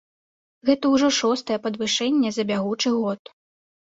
Гэта ўжо шостае падвышэнне за бягучы год.